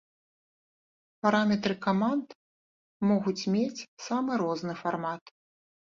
Параметры каманд могуць мець самы розны фармат.